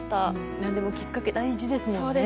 何でもきっかけ大事ですもんね。